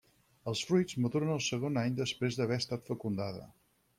Els fruits maduren al segon any després d'haver estat fecundada.